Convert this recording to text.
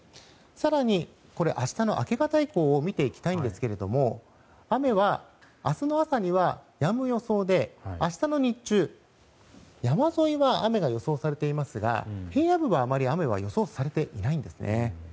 更に明日の明け方以降を見ていきたいんですが雨は明日の朝にはやむ予想で明日の日中、山沿いは雨が予想されていますが平野部はあまり雨は予想されていないんですね。